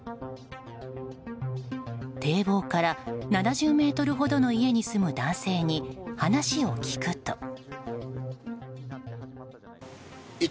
堤防から７０ｃｍほどの家に住む男性に話を聞くと。